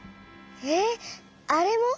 えっあれも？